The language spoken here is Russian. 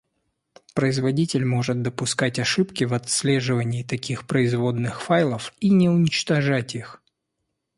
Производитель может допускать ошибки в отслеживании таких производных файлов и не уничтожать их